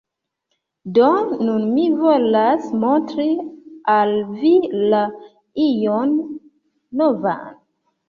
Do nun mi volas montri al vi la ion novan.